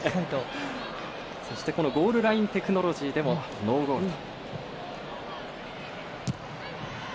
そしてゴールラインテクノロジーでもノーゴールと。